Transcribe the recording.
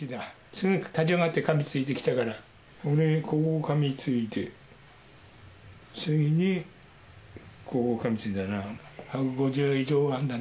すぐに立ち上がってかみついてきたから、俺のここかみついて、次にここかみついたな。